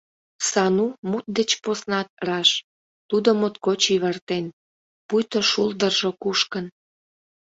Сану Мут деч поснат раш — тудо моткоч йывыртен, пуйто шулдыржо кушкын.